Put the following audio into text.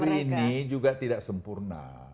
ya saya bilang negeri ini juga tidak sempurna